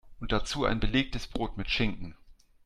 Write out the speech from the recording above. Und dazu ein belegtes Brot mit Schinken.